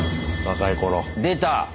若い頃。出た。